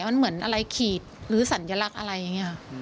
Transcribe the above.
มันเหมือนอะไรขีดหรือสัญลักษณ์อะไรอย่างนี้ค่ะ